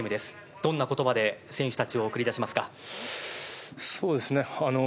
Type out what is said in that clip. どんな言葉で選手たちを送り出しますか？